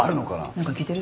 何か聞いてる？